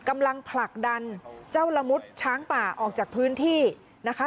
กำลังผลักดันเจ้าละมุดช้างป่าออกจากพื้นที่นะคะ